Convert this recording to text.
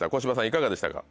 いかがでしたか？